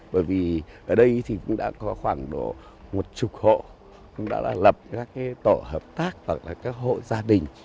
bởi vì ở đây thì cũng đã có khoảng độ một chục hộ cũng đã lập các tổ hợp tác hoặc là các hộ gia đình